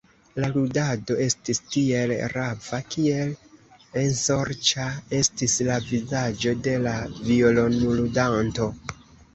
La ludado estis tiel rava, kiel ensorĉa estis la vizaĝo de la violonludanto.